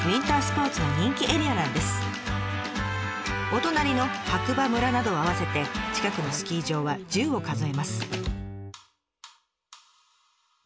お隣の白馬村などを合わせて近くのスキー場は１０を数えます。